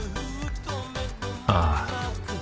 ああ。